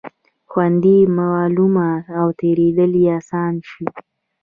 خوند یې معلوم او تېرېدل یې آسانه شي.